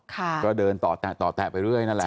ก็เดินต่อแตะไปเรื่อยนั่นแหละ